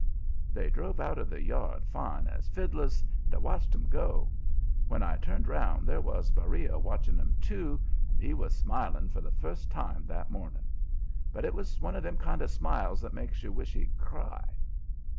They drove out of the yard, fine as fiddlers, and I watched 'em go. When I turned around, there was Beriah watching 'em too, and he was smiling for the first time that morning. But it was one of them kind of smiles that makes you wish he'd cry.